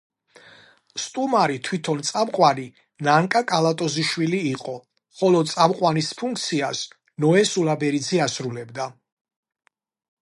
სტუმარი თვით წამყვანი ნანკა კალატოზიშვილი იყო, ხოლო წამყვანის ფუნქციას ნოე სულაბერიძე ასრულებდა.